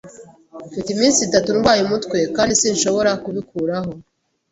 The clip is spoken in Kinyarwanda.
Mfite iminsi itatu ndwaye umutwe kandi sinshobora kubikuraho.